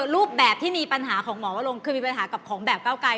รูปแบบที่มีปัญหาของหมอวรงคือมีปัญหากับของแบบเก้าไกร